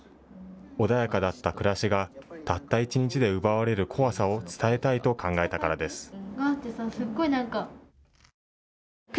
穏やかだった暮らしがたった一日で奪われる怖さを伝えたいと考えたからです。